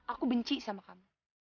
aku benci sama kamu